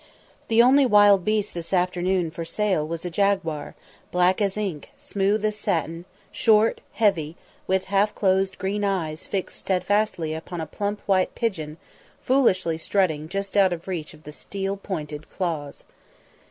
The only wild beast this afternoon for sale was a jaguar, black as ink, smooth as satin, short, heavy, with half closed green eyes fixed steadfastly upon a plump white pigeon foolishly strutting just out of reach of the steel pointed claws.